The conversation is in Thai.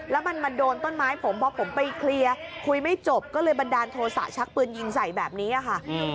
แล้วมันมาโดนต้นไม้ผมพอผมไปเคลียร์คุยไม่จบก็เลยบันดาลโทษะชักปืนยิงใส่แบบนี้ค่ะ